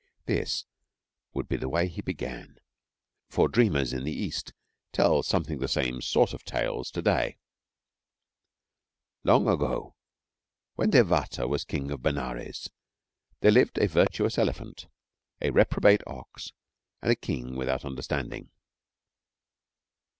This would be the way he began, for dreamers in the East tell something the same sort of tales to day: 'Long ago when Devadatta was King of Benares, there lived a virtuous elephant, a reprobate ox, and a King without understanding.'